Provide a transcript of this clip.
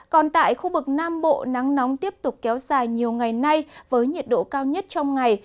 còn tại khu vực nam bộ nắng nóng tiếp tục kéo dài nhiều ngày nay với nhiệt độ cao nhất trong ngày